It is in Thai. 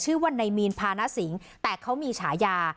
ชื่อว่านายมีนพาณสิงแต่เขามีฉายา